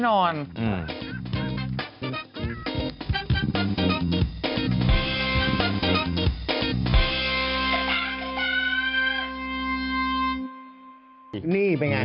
นี่